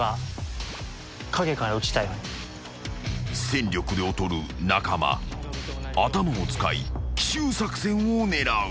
［戦力で劣る中間頭を使い奇襲作戦を狙う］